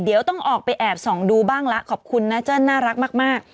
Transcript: เดี๋ยวต้องออกไปแอบส่องดูบ้างละขอบคุณนะเจิ้นน่ารักมาก